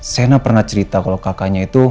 sena pernah cerita kalau kakaknya itu